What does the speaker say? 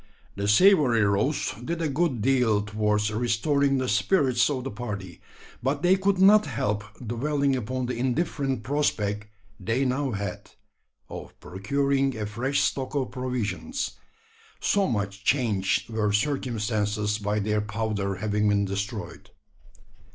The savoury roast did a good deal towards restoring the spirits of the party; but they could not help dwelling upon the indifferent prospect they now had of procuring a fresh stock of provisions so much changed were circumstances by their powder having been destroyed.